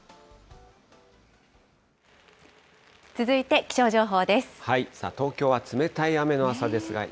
続いて気象情報です。